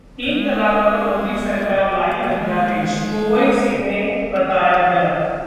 तीन तलाक पर मोदी सरकार लाई अध्यादेश, ओवैसी ने बताया गलत